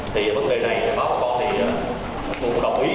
thì bất kỳ này bác bà con thì cũng đồng ý